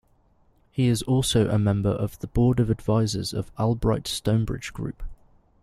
He is also a member of the Board of Advisors of Albright Stonebridge Group.